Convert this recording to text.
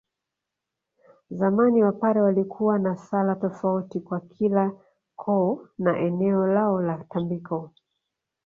Zamani Wapare walikuwa na sala tofauti kwa kila koo na eneo lao la tambiko